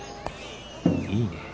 いいねえ。